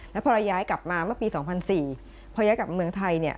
แล้วพอเราย้ายกลับมาเมื่อปี๒๐๐๔พอย้ายกลับมาเมืองไทยเนี่ย